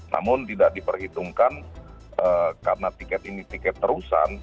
namun tidak diperhitungkan karena tiket ini tiket terusan